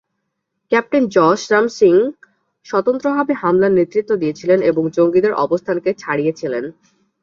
Captain Jash Ram Singh স্বতন্ত্রভাবে হামলার নেতৃত্ব দিয়েছিলেন এবং জঙ্গিদের অবস্থানকে ছাড়িয়েছিলেন।